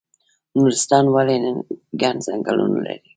نورستان ولې ګڼ ځنګلونه لري؟